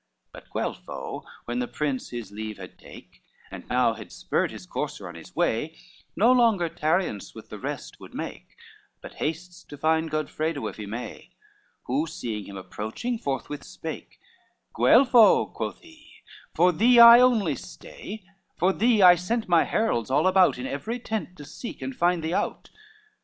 LIII But Guelpho, when the prince his leave had take And now had spurred his courser on his way, No longer tarriance with the rest would make, But tastes to find Godfredo, if he may: Who seeing him approaching, forthwith spake, "Guelpho," quoth he, "for thee I only stay, For thee I sent my heralds all about, In every tent to seek and find thee out."